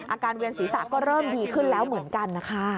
เวียนศีรษะก็เริ่มดีขึ้นแล้วเหมือนกันนะคะ